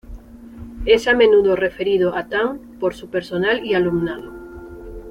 Es a menudo referido a tan por su personal y alumnado.